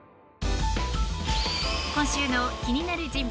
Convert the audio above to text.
今週の気になる人物